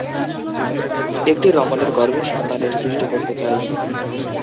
একটি রমণীর গর্ভে সন্তানের সৃষ্টি করতে চাই।